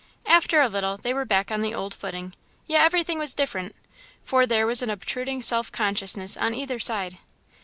After a little, they were back on the old footing, yet everything was different, for there was an obtruding self consciousness on either side.